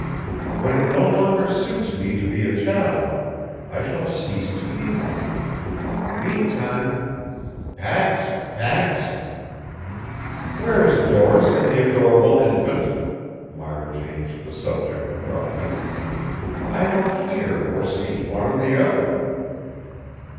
"When it no longer suits me to be a chattel, I shall cease to be one. Meantime pax pax "Where is Doris and the adorable infant?" Myra changed the subject abruptly. "I don't hear or see one or the other."